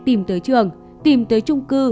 tìm tới trường tìm tới trung cư